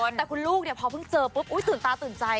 แต่คุณลูกพอเพิ่งเจอปุ๊บตื่นตาตื่นใจ